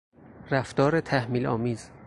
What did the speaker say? رفتار تحمیل آمیز